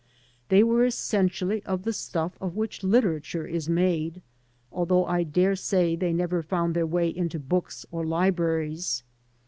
They were essentially of the stuff of which literature is made, although I dare say they never found their way into books or libraries.